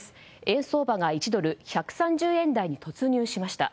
円相場が１ドル＝１３０円台に突入しました。